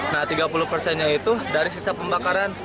nah tiga puluh persennya itu dari sisa pembakaran